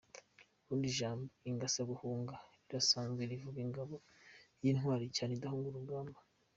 Ubundi ijambo ingasaguhunga rirasanzwe rivuga ingabo y’intwari cyane idahunga urugamba .